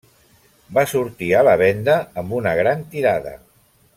Va sortir a la venda amb una gran tirada.